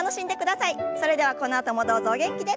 それではこのあともどうぞお元気で。